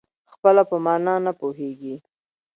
خپله په مانا نه پوهېږي.